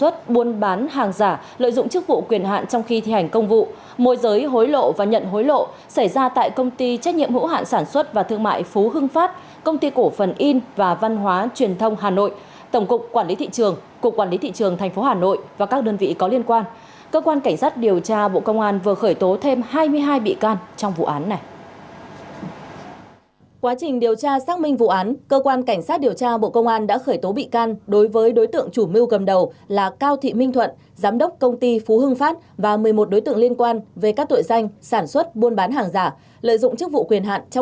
sáu tháng bốn cơ quan cảnh sát điều tra bộ công an khởi tố bị can đối với hai mươi hai đối tượng cùng về tội danh sản xuất buôn bán hàng giả